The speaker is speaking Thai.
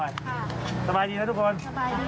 ยังไม่มีบินโมก